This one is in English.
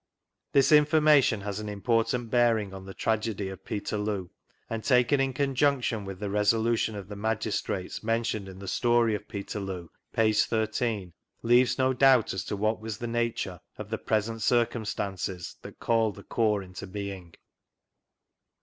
This information has an important bearing on the tragedy of Peterloo, and taken in conjunction with the Resolution of the Magistrates mentioned in The Story of Peterloo (p. 13), leaves no doubt as to what was the nature of the " present circumstances " that called the corps into being.